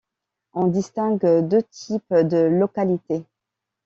On distingue deux types de localités.